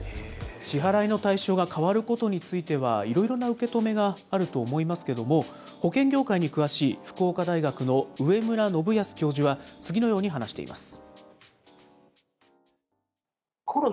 支払いの対象が変わることについてはいろいろな受け止めがあると思いますけれども、保険業界に詳しい福岡大学の植村信保教授は、次のように話しています。